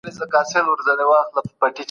څېړونکی باید کوم ډول اخلاقي صفتونه ولري؟